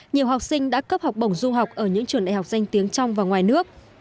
nhiều học sinh đã cấp học bổng du học ở những trường đại học danh tiếng trong và ngoài nước